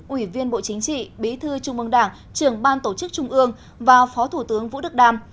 ủy viên bộ chính trị bí thư trung mương đảng trưởng ban tổ chức trung ương và phó thủ tướng vũ đức đam